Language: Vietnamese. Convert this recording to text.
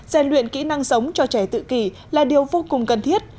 gian luyện kỹ năng sống cho trẻ tự kỷ là điều vô cùng cần thiết